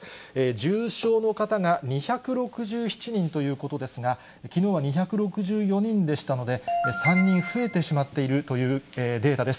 重症の方が２６７人ということですが、きのうは２６４人でしたので、３人増えてしまっているというデータです。